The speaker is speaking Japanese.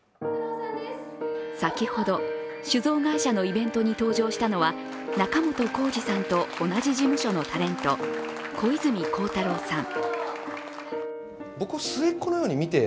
先ほど、酒造会社のイベントに登場したのは仲本工事さんと同じ事務所のタレント、小泉孝太郎さん。